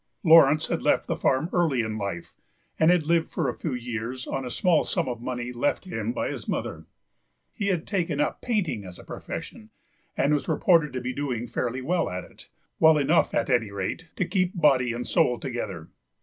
Laurence had left the farm early in life, and had lived for a few years on a small sum of money left him by his mother; he had taken up painting as a profession, and was reported to be doing fairly well at it, well enough, at any rate, to keep body and soul together.